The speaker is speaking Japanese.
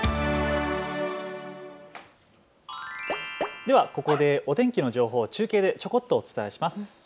ではここでお天気の情報を中継でちょこっとお伝えします。